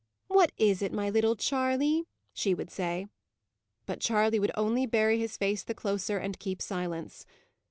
"What is it, my little Charley?" she would say. But Charley would only bury his face the closer, and keep silence.